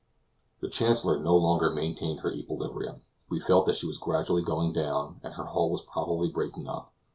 The Chancellor no longer maintained her equilibrium; we felt that she was gradually going down, and her hull was probably breaking up.